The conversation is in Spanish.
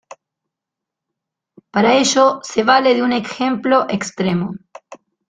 Para ello se vale de un ejemplo extremo.